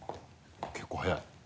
結構早い。